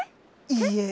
いいえ。